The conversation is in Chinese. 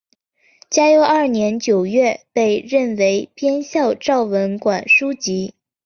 嘉佑二年九月被任为编校昭文馆书籍。